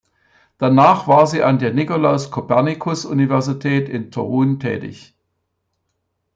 Danach war sie an der Nikolaus-Kopernikus-Universität in Toruń tätig.